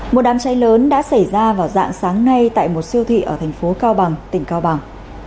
một đám cháy lớn đã xảy ra vào dạng sáng nay tại một siêu thị ở thành phố cao bằng tỉnh cao bằng